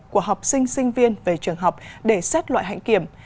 của học sinh sinh viên về trường học để xét loại hãnh kiểm